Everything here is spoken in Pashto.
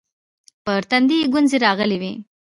پر تندي يې گونځې راغلې وې.